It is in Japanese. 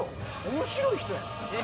面白い人やで？